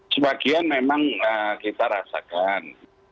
sebagian memang kita rasakan